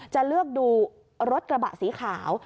จะเลือกดูรถกระบะสีขาว